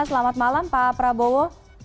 selamat malam pak prabowo